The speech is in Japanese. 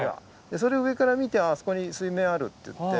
それを上から見てあそこに水面あるっていって。